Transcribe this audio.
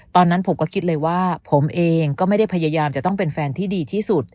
ตอนนั้นผมก็คิดเลยว่าผมเองก็ไม่ได้พยายามจะต้องเป็นแฟนที่ดีที่สุด